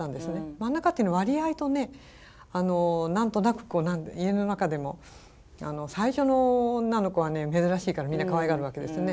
真ん中っていうのは割合とね何となく家の中でも最初の女の子は珍しいからみんなかわいがるわけですね。